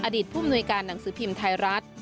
ผู้มนุยการหนังสือพิมพ์ไทยรัฐ